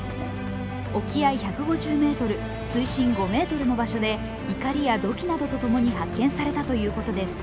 沖合１５０ｍ、水深５ｍの場所でいかりや土器などと共に発見されたということです。